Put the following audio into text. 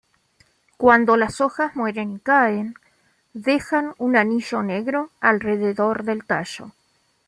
Cuando las hojas mueren y caen, dejan un anillo negro alrededor del tallo.